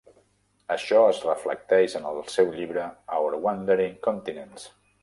Això es reflecteix en el seu llibre 'Our Wandering Continents'.